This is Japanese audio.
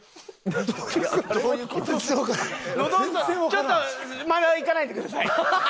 ちょっとまだ行かないでください。